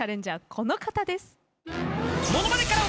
この方です。